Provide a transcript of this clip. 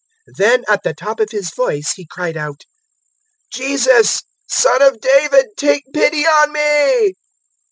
018:038 Then, at the top of his voice, he cried out, "Jesus, son of David, take pity on me."